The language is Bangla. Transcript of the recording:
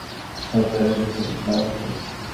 স্যার চলে এসেছে, সালাম স্যার।